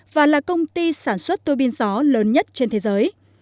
và là công ty sản xuất tuổi biên gió lớn nhất trên thế giới